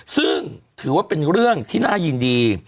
ซึ่งถือว่าเป็นเรื่องที่น่ายินดี